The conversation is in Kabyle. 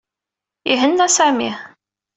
Ihenna Sami.